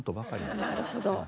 なるほど。